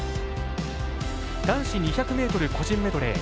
男子２００ｍ個人メドレー